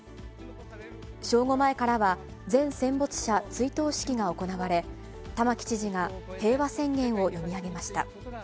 正午前からは、全戦没者追悼式が行われ、玉城知事が平和宣言を読み上げました。